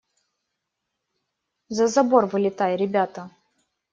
За забор вылетай, ребята!